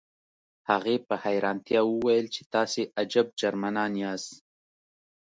هغې په حیرانتیا وویل چې تاسې عجب جرمنان یاست